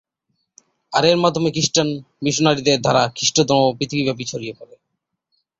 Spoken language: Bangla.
আর এর মাধ্যমে খ্রিস্টান মিশনারিদের দ্বারা খ্রিস্ট ধর্ম পৃথিবীব্যাপী ছড়িয়ে পরে।